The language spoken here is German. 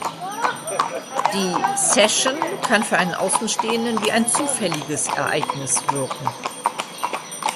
Die "Session" kann für einen Außenstehenden wie ein zufälliges Ereignis wirken.